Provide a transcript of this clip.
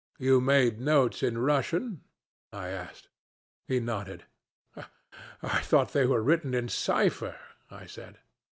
'You made notes in Russian?' I asked. He nodded. 'I thought they were written in cipher,' I said.